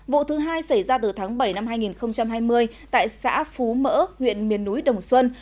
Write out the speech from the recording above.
vụ thứ hai xảy ra từ tháng bảy năm hai nghìn hai mươi tại xã phú mỡ huyện miền núi đồng xuân